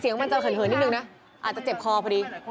เสียงมันจะเหินเหินนิดนึงนะอาจจะเจ็บคอพอดี